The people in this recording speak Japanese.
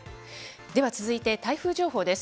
では続いて台風情報です。